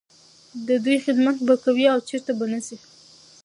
د دوی خدمت به کوې او چرته به نه ځې.